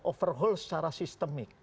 overhaul secara sistemik